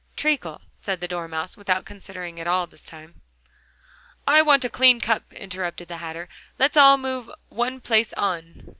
"Treacle," said the Dormouse, without considering at all this time. "I want a clean cup," interrupted the Hatter, "let's all move one place on."